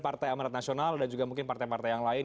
partai amarat nasional dan juga mungkin partai partai yang lain